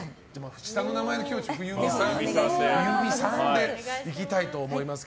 下の名前で、今日は冬美さんでいきたいと思います。